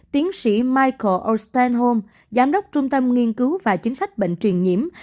tiến sĩ michael o stanholm giám đốc trung tâm nghiên cứu và chính sách bệnh truyền nhiễm